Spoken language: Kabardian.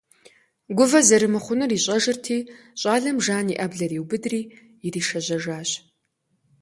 Гувэ зэрымыхъунур ищӀэжырти, Жан щӀалэм и Ӏэблэр иубыдри иришэжьэжащ.